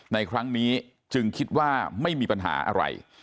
ในครั้งนี้จึงคิดว่าไม่มีปัญหาอะไร